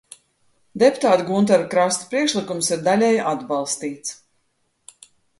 Deputāta Guntara Krasta priekšlikums ir daļēji atbalstīts.